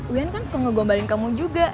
wian kan suka ngegombalin kamu juga